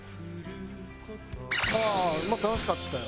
ああまあ楽しかったよ。